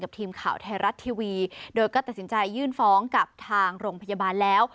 ทีมข่าวไทยรัฐทีวีโดยก็ตัดสินใจยื่นฟ้องกับทางโรงพยาบาลแล้ว